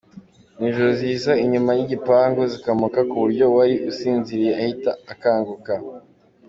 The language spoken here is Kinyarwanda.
Mu ijoro ziza inyuma y’igipangu zikamoka ku buryo uwari usinziriye ahita akanguka.